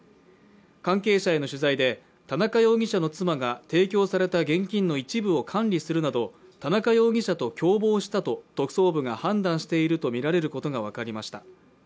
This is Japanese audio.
関係者への取材で田中容疑者の妻が提供された現金の一部を管理するなど、田中容疑者と共謀したと特捜部が判断しているとみられることが分かりました。